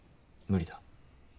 無理だ。